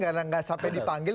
karena tidak sampai dipanggil